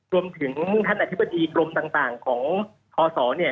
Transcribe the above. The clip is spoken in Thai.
รวมถึงท่านอธิบดีกรมต่างของทศเนี่ย